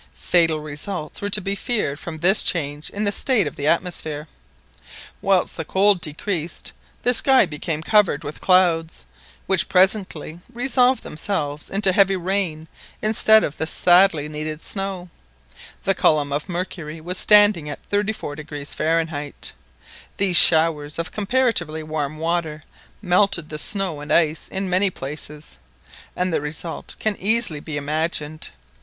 Fatal results were to be feared from this change in the state of the atmosphere. Whilst the cold decreased the sky became covered with clouds, which presently resolved themselves into heavy rain instead of the sadly needed snow, the column of mercury standing at 34° Fahrenheit. These showers of comparatively warm water melted the snow and ice in many places, and the result can easily be imagined.